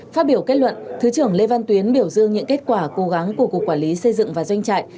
phát biểu kết luận thứ trưởng lê văn tuyến biểu dương những kết quả cố gắng của cục quản lý xây dựng và doanh trại